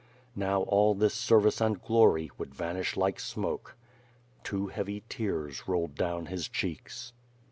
Now all this service and glory would vanish like smoke. Two heavy tears rolled down his cheeks.